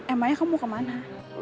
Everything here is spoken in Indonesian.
emangnya kamu kemana